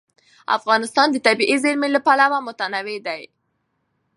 افغانستان د طبیعي زیرمې له پلوه متنوع دی.